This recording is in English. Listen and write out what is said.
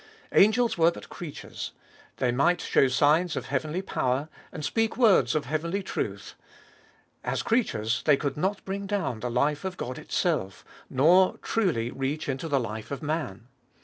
Angels were but creatures ; they might show signs of heavenly power, and speak words of heavenly truth; as creatures, they could not bring down the life of God itself, nor truly reach into the life of man.